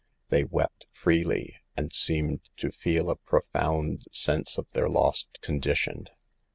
They wept freely, and seemed to feel a profound sense of their lost condition.